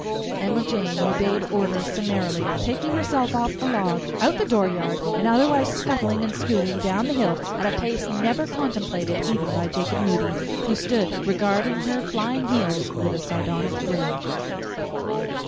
Emma Jane obeyed orders summarily, taking herself off the log, out the dooryard, and otherwise scuttling and scooting down the hill at a pace never contemplated even by Jacob Moody, who stood regarding her flying heels with a sardonic grin.